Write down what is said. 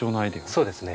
そうですね。